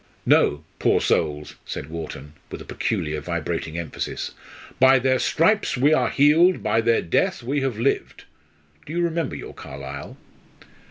"No poor souls!" said Wharton, with a peculiar vibrating emphasis. "'By their stripes we are healed, by their death we have lived.' Do you remember your Carlyle?"